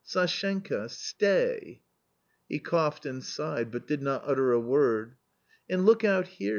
Sashenka ! stay !" He coughed and sighed, but did not utter a word. " A nd look out here."